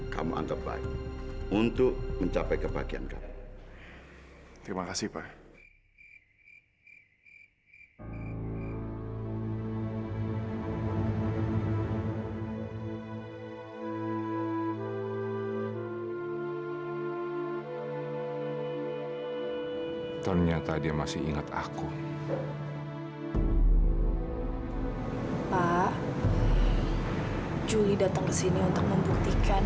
sampai jumpa di video selanjutnya